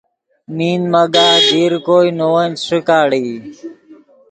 مند مگاہ دیر کوئے نے ون چے ݰیکاڑئی